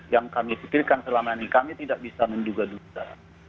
yang kami pikirkan selama ini kami tidak bisa menduga duga